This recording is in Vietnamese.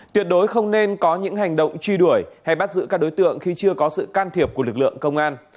tuyệt đối không nên có những hành động truy đuổi hay bắt giữ các đối tượng khi chưa có sự can thiệp của lực lượng công an